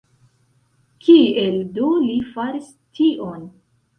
Kiel do li faris tion?